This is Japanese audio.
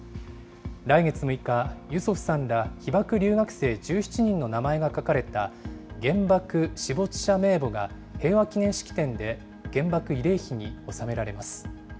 来月６日、ユソフさんら被爆留学生１７人の名前が書かれた、原爆死没者名簿が平和記念式典で原爆慰霊碑に納められます。